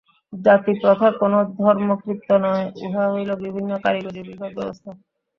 জাতিপ্রথা কোন ধর্মকৃত্য নয়, উহা হইল বিভিন্ন কারিগরীর বিভাগ-ব্যবস্থা।